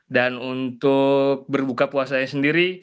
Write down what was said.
dan untuk berbuka puasanya sendiri